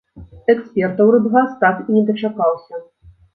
Экспертаў рыбгас так і не дачакаўся.